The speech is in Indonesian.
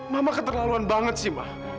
mama keterlaluan banget sih mah